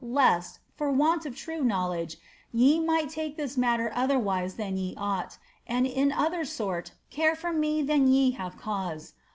lest, for want of true knowledge, ye might take this matter otherwise than ye ought, and in other sort care for me than ye have c'au^o.